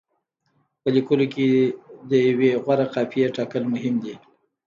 په لیکلو کې د یوې غوره قافیې ټاکل مهم دي.